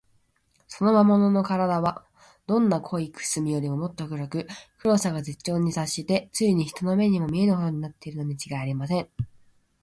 その魔物のからだは、どんな濃い墨よりも、もっと黒く、黒さが絶頂にたっして、ついに人の目にも見えぬほどになっているのにちがいありません。